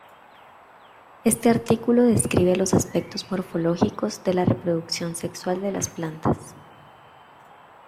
Este artículo describe los aspectos morfológicos de la reproducción sexual de las plantas.